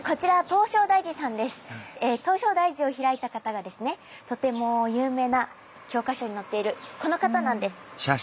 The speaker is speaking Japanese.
唐招提寺を開いた方がですねとても有名な教科書に載っているこの方なんです。